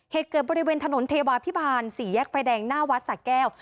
เหตุเกิดบริเวณถนนเทวาพิบาล๔แยกไฟแดงหน้าวัดสะแก้ว